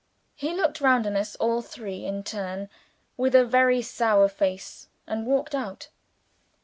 He looked round on us all three, in turn, with a very sour face, and walked out.